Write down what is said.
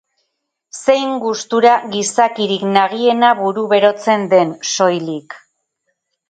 Zein gustura gizakirik nagiena buruberotzen den, soilik.